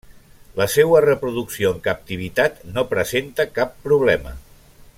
La seua reproducció en captivitat no presenta cap problema.